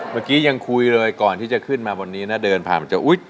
เมื่อกี้ยังคุยเลยก่อนที่จะขึ้นมาบนนี้นะเดินผ่านมันจะอุ๊ย